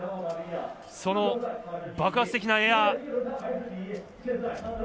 その爆発的なエア。